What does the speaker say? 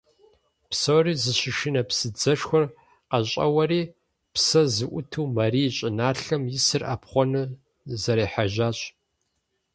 Псори зыщышынэ псыдзэшхуэр къащӀэуэри псэ зыӀуту Марий щӀыналъэм исыр Ӏэпхъуэну зэрехьэжьащ.